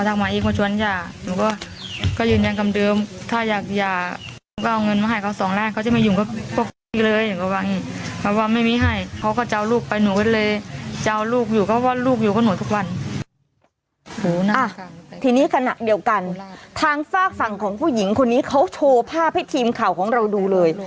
ทีนี้ขณะเดียวกันทางฝากฝั่งของผู้หญิงคนนี้เขาโชว์ภาพให้ทีมข่าวของเราดูเลย